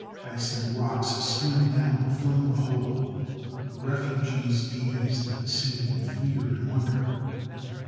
Ice and rocks slid down, filling the hole. The refugees gazed at the scene in fear and wonder.